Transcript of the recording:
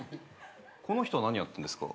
この人は何やってんですか？